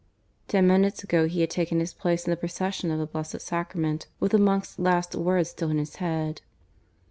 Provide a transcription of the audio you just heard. Ten minutes ago he had taken his place in the procession of the Blessed Sacrament, with the monk's last word still in his head.